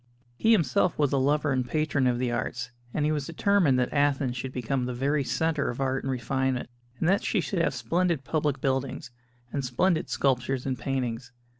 He himself was a lover and patron of the arts, and he was determined that Athens should become the very centre of art and refinement, and that she should have splendid public buildings and splendid sculptures and paintings.